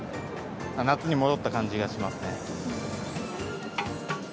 夏に戻った感じがしますね。